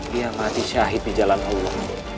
dia mati syahid di jalan allah